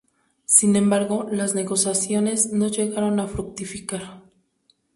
Sin embargo, las negociaciones no llegaron a fructificar.